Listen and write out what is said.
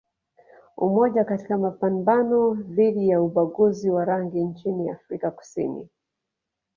Umoja katika mapambano dhidi ya ubaguzi wa rangi nchini Afrika Kusini